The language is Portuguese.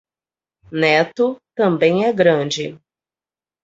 Neto também é grande